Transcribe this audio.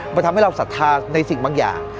มันทำให้เราศรัทธาในสิ่งบางอย่าง